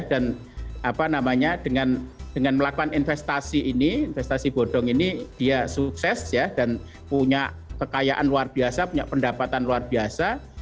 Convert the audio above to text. dan apa namanya dengan melakukan investasi ini investasi bodong ini dia sukses ya dan punya kekayaan luar biasa punya pendapatan luar biasa